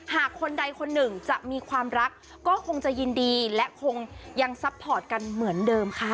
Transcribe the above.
คนใดคนหนึ่งจะมีความรักก็คงจะยินดีและคงยังซัพพอร์ตกันเหมือนเดิมค่ะ